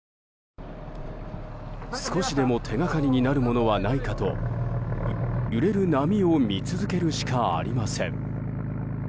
少しでも手掛かりになるものはないかと揺れる波を見続けるしかありません。